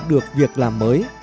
được việc làm mới